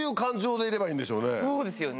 そうですよね。